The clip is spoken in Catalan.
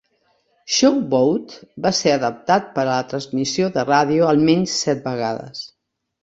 "Show Boat" va ser adaptat per a transmissió de ràdio al menys set vegades,